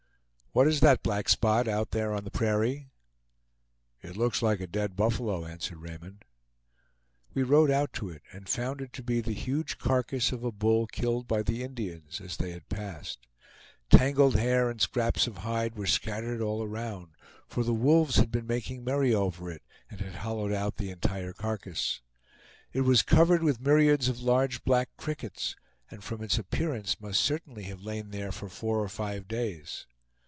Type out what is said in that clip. "What is that black spot out there on the prairie?" "It looks like a dead buffalo," answered Raymond. We rode out to it, and found it to be the huge carcass of a bull killed by the Indians as they had passed. Tangled hair and scraps of hide were scattered all around, for the wolves had been making merry over it, and had hollowed out the entire carcass. It was covered with myriads of large black crickets, and from its appearance must certainly have lain there for four or five days.